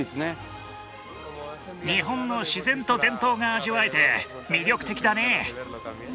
日本の自然と伝統が味わえて魅力的だね。